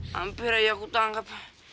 hampir aja aku tangkap